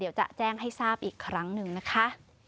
เดี๋ยวจะแจ้งให้ทราบอีกครั้งหนึ่งนะคะ